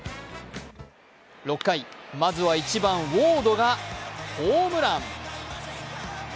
６回、まずは１番・ウォードがホームラン。